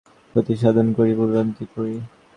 এই দেহের জন্য আমি অপরের ক্ষতিসাধন করি, ভুলভ্রান্তিও করি।